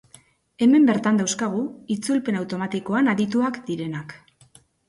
Hemen bertan dauzkagu itzulpen automatikoan adituak direnak.